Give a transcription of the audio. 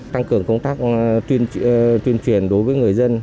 tăng cường công tác tuyên truyền đối với người dân